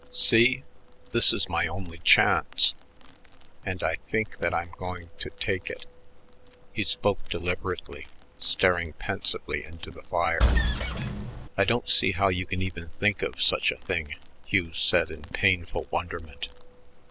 See? This is my only chance and I think that I'm going to take it." He spoke deliberately, staring pensively into the fire. "I don't see how you can even think of such a thing," Hugh said in painful wonderment.